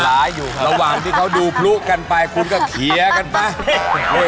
หลายอยู่ระหว่างที่เขาดูพลุกันไปคุณก็เคลียร์กันไปเรื่อย